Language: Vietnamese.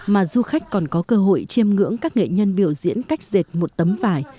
mà du khách còn có cơ hội chiêm ngưỡng các nghệ nhân biểu diễn cách dệt một tấm vải